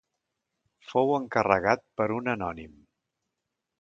Fou encarregat per un anònim.